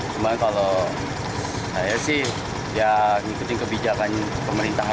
cuma kalau saya sih ya ikuti kebijakan pemerintah